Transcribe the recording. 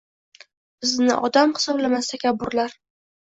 Bizni odam hisoblamas takabburlar.